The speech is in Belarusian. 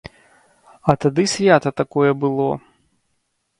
А тады свята такое было.